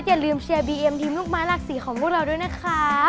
อย่าลืมเชียร์บีเอ็มทีมลูกไม้หลักสีของพวกเราด้วยนะคะ